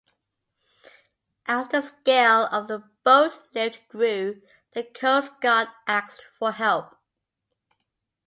As the scale of the boatlift grew, the Coast Guard asked for help.